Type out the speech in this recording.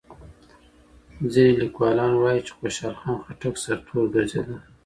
ځیني لیکوالان وایي چي خوشحال خان خټک سرتور ګرځېده.